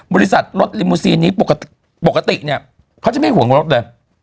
บริษัทรถลิมมูซีนนี้ปกติเนี่ยเขาจะไม่ห่วงรถเลย